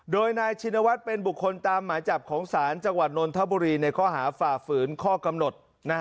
โดยนายชินวัฒน์เป็นบุคคลตามหมายจับของศาลจังหวัดนนทบุรีในข้อหาฝ่าฝืนข้อกำหนด